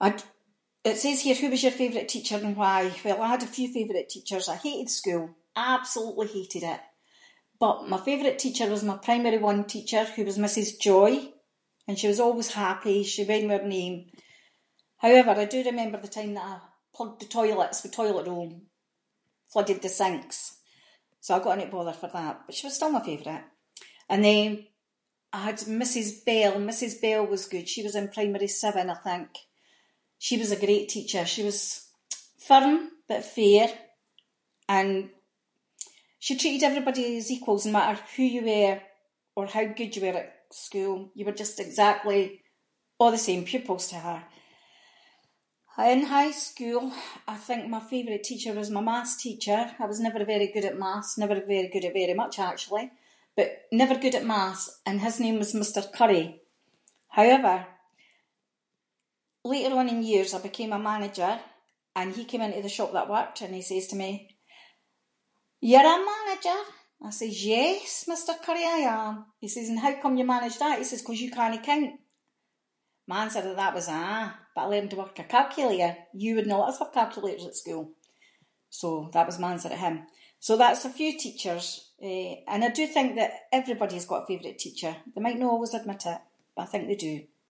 I- it says here, who was your favourite teacher and why. Well I had a few favourite teachers. I hated school, absolutely hated it, but my favourite teacher was my primary one teacher, who was Mrs Joy, and she was always happy she went with her name. However, I do remember the time that I plugged the toilets with toilet roll, flooded the sinks, so I got into bother for that, but she was still my favourite. And then, I had Mrs Bell, Mrs Bell was good, she was in primary seven I think, she was a great teacher, she was firm but fair, and she treated everybody as equals no matter who you were or how good you were at school, you were just exactly a’ the same pupils to her. In high school, I think my favourite teacher was my maths teacher, I was never very good at maths, never very good at very much actually, but never good at maths, and his name was Mr Currie. However, later on in years I became a manager and he came into the shop that I worked in, and he says to me “you’re a manager?”, I says “yes Mr Currie I am” he says “and how come you managed that” he says “’cause you cannae count”, my answer to that was “ah, but I learned to work a calculator, you wouldnae let us have calculators at school”, so that was my answer to him. So that’s a few teachers, eh, and I do think that everybody’s got a favourite teacher, they might no always admit it, but I think they do.